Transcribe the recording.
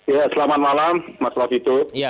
ya selamat malam mas wasitu